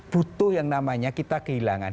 butuh yang namanya kita kehilangan